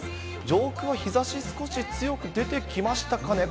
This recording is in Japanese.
上空は日ざし、少し強く出てきましたかね？